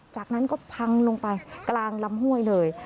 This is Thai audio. จากนั้นก็พังลงไปกลางลำห้วยเลย